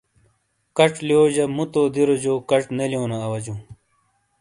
کَچ لِیوجہ موتو دِیروجو کَچ نے لیونو اوجوں ۔